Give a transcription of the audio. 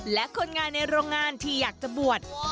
และคนงานในโรงงานที่อยากจะบวช